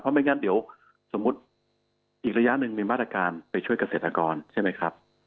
ไม่งั้นเดี๋ยวสมมุติอีกระยะหนึ่งมีมาตรการไปช่วยเกษตรกรใช่ไหมครับ